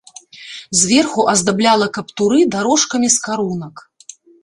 Зверху аздабляла каптуры дарожкамі з карунак.